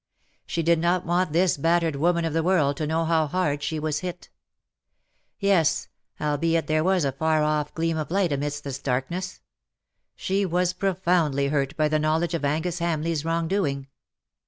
She did not want this battered woman of the world to know how hard she was hit. Yes — albeit there was a far off gleam of light amidst this darkness — she was profoundly hurt by the knowledge of Angus Hamleigh^s wrong doing.